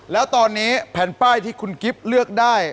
แล้วตอนนี้แผ่นป้ายที่คุณกิฟต์เลือกได้